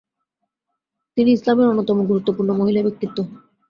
তিনি ইসলামের অন্যতম গুরুত্বপূর্ণ মহিলা ব্যক্তিত্ব।